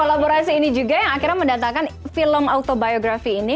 kolaborasi ini juga yang akhirnya mendatangkan film autobiography ini